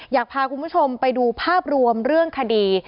อยากพาคุณผู้ชมไปดูภาพรวมเรื่องคดี